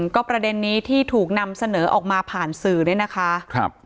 ก็ประเด็นนี้ที่ถูกนำเสนอออกมาผ่านสื่อเนี่ยนะคะ